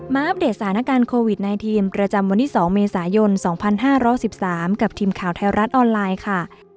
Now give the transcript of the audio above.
มาอัปเดตสถานการณ์โควิดในทีมประจำวันที่สองเมษายนสองพันห้าร้อยสิบสามกับทีมข่าวแท้รัฐออนไลน์ค่ะ